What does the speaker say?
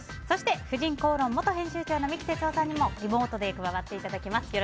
そして、「婦人公論」元編集長の三木哲男さんにもリモートで加わっていただきます。